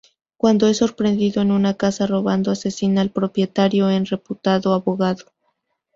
Cuando es sorprendido en una casa robando asesina al propietario, un reputado abogado.